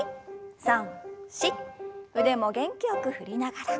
腕も元気よく振りながら。